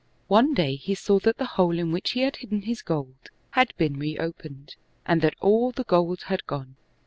Now one day he saw that tiie hole, in which he had hidden his gold, had been re opened, and that all the gold had gone.